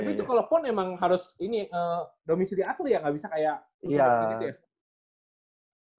tapi itu kalau pon emang harus ini domisili asli ya enggak bisa kayak